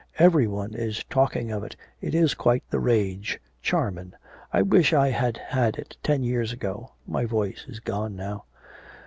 'Every one is talking of it, it is quite the rage, charmin', I wish I had had it ten years ago, my voice is gone now.'